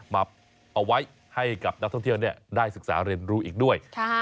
มาเอาไว้ให้กับนักท่องเที่ยวได้ศึกษาเรียนรู้อีกด้วย